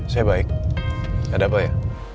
saya baik ada apa ya